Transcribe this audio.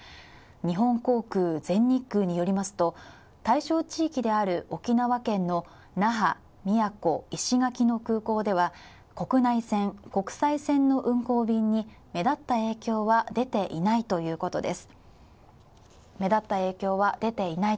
日本航空、全日空によりますと対象地域である沖縄県の那覇、宮古、石垣の空港では国内線、国際線の運航便に目立った影響は出ていないということです。